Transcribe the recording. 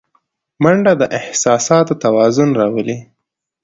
منډه د احساساتو توازن راولي